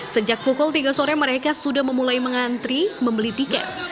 sejak pukul tiga sore mereka sudah memulai mengantri membeli tiket